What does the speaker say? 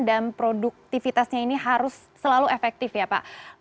dan produktivitasnya ini harus selalu efektif ya pak